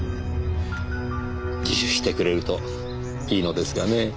自首してくれるといいのですがね。